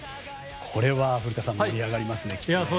これは古田さん、きっと盛り上がりますね。